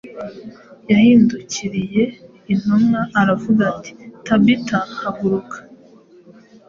Yahindukiriye intumbi aravuga ati: “Tabita haguruka.